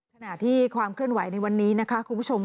ขณะที่ความเคลื่อนไหวในวันนี้นะคะคุณผู้ชม